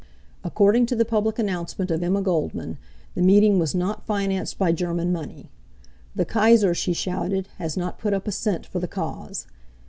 According to the public announcement of Emma Goldman, the meeting was not financed by German money. "The Kaiser," she shouted, "has not put up a cent for the cause."